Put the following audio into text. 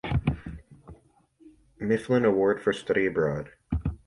Mifflin Award for study abroad.